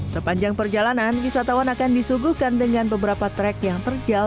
sepanjang perjalanan wisatawan akan disuguhkan dengan beberapa trek yang terjal